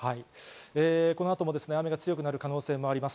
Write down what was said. この後も雨が強くなる可能性もあります。